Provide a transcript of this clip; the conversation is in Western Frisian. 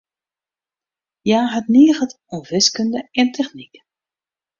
Hja hat niget oan wiskunde en technyk.